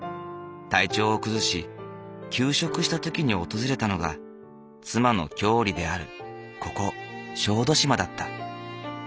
体調を崩し休職した時に訪れたのが妻の郷里であるここ小豆島だった。